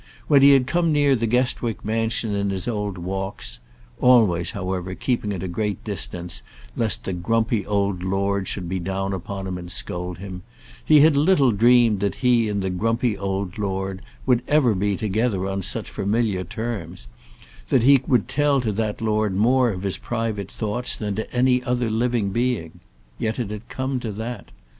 When he had come near the Guestwick Mansion in his old walks, always, however, keeping at a great distance lest the grumpy old lord should be down upon him and scold him, he had little dreamed that he and the grumpy old lord would ever be together on such familiar terms, that he would tell to that lord more of his private thoughts than to any other living being; yet it had come to that.